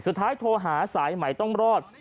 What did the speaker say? สุดท้ายโทรหาสายใหม่ต้องรอด